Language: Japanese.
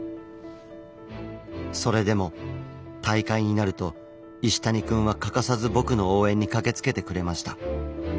それでも大会になると石谷くんは欠かさず僕の応援に駆けつけてくれました。